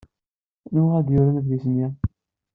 Anwa ay d-yuran adlis-nni?